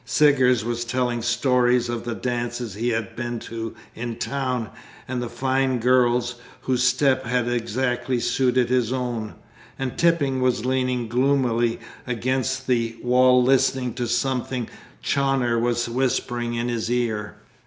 Siggers was telling stories of the dances he had been to in town, and the fine girls whose step had exactly suited his own, and Tipping was leaning gloomily against the wall listening to something Chawner was whispering in his ear.